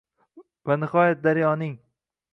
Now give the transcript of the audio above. Va nihoyat daryoning